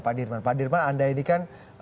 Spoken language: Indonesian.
pak dirman pak dirman anda ini kan